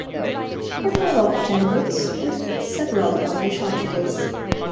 Author of ten books with several published articles.